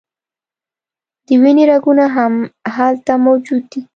د وینې رګونه هم هلته موجود دي.